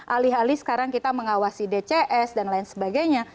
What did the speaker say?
alih alih sekarang kita mengawasi dcs dan lain sebagainya